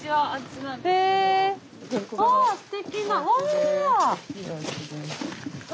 ああすてきな！